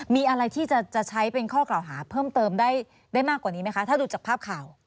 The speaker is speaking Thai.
มีอะไรที่จะใช้เป็นข้อกล่าวหาเพิ่มเติมได้มากกว่านี้ไหมคะถ้าดูจากภาพข่าว